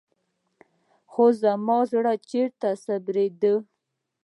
خو زما زړه چېرته صبرېده.